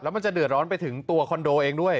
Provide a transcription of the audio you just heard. มันจะเดือดร้อนไปถึงตัวคอนโดเองด้วย